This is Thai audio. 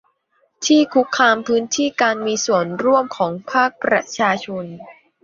ที่คุกคามพื้นที่การมีส่วนร่วมของภาคประชาชน